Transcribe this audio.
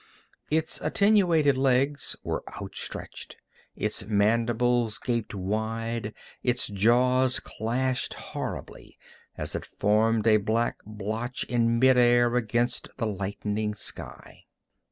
Its attenuated legs were outstretched, its mandibles gaped wide, and its jaws clashed horribly as it formed a black blotch in mid air against the lightening sky.